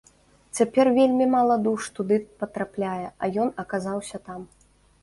Цяпер вельмі мала душ туды патрапляе, а ён аказаўся там.